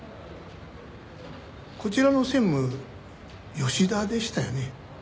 こちらの専務吉田でしたよね？